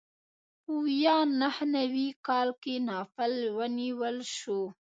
په ویا نهه نوي کال کې ناپل ونیول شو.